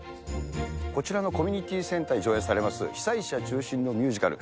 こちらのコミュニティセンターで上演されます被災者中心のミュージカル。